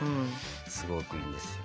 すごくいいんですよ。